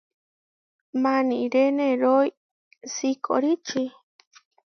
Maníre nerói sikoríči.